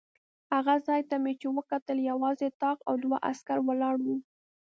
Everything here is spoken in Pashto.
هغه ځای ته چې مې وکتل یوازې طاق او دوه عسکر ولاړ و.